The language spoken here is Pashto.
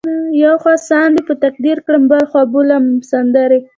یو خوا ساندې په تقدیر کړم بل خوا بولمه سندرې